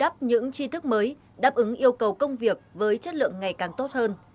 thức mới đáp ứng yêu cầu công việc với chất lượng ngày càng tốt hơn